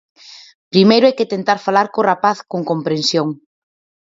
Primeiro hai que tentar falar co rapaz, con comprensión.